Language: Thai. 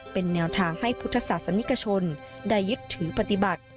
เป็นแนวทางให้พุทธศาสนิกชนได้ยึดถือปฏิบัติ